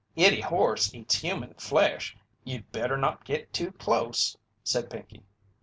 "'Ittie horse eats human flesh, you'd better not git too close," said Pinkey.